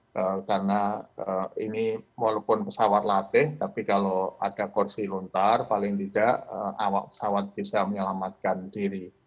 karena ini walaupun pesawat plateh tapi kalau ada kursi lontar paling tidak pesawat bisa menyelamatkan diri